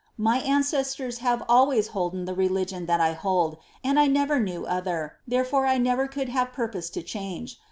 My ancestors have always holden the religion that I hold, r knew other, therefore I never could have purpose to change.